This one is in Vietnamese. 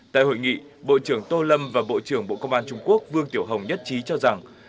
tại hội nghị bộ trưởng tô lâm và bộ trưởng bộ công an trung quốc vương tiểu hồng nhất trí cho rằng